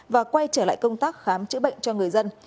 và quay trở lại công tác khám chữa bệnh cho người dân